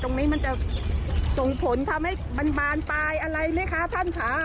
ตรงนี้มันจะส่งผลทำให้บานปลายอะไรนะคะท่านค่ะ